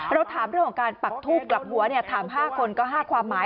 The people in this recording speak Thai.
เราถามเรื่องของการปักทูปกลับหัวเนี่ยถามห้าคนก็ห้าความหมาย